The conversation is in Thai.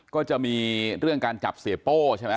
ก็จะมีเรื่องการจับเสียโป้ใช่ไหม